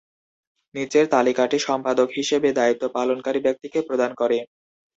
নিচের তালিকাটি সম্পাদক হিসেবে দায়িত্ব পালনকারী ব্যক্তিকে প্রদান করে।